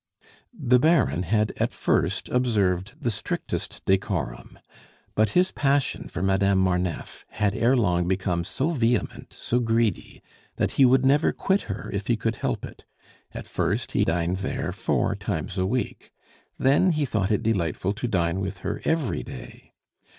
The Baron had at first observed the strictest decorum; but his passion for Madame Marneffe had ere long become so vehement, so greedy, that he would never quit her if he could help it. At first he dined there four times a week; then he thought it delightful to dine with her every day.